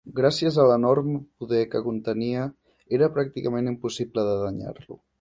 Gràcies a l'enorme poder que contenia era pràcticament impossible de danyar-lo.